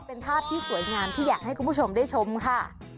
เป็นภาพที่สวยงามที่อยากให้คุณผู้ชมได้ชมค่ะ